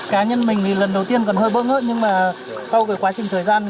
cá nhân mình thì lần đầu tiên còn hơi bơ ngớt nhưng mà sau quá trình thời gian